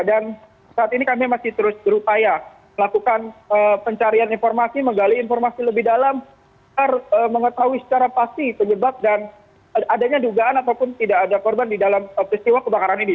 dan saat ini kami masih terus berupaya melakukan pencarian informasi menggali informasi lebih dalam mengetahui secara pasti penyebab dan adanya dugaan ataupun tidak ada korban di dalam peristiwa kebakaran ini